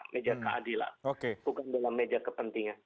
meja keadilan bukan dalam meja kepentingan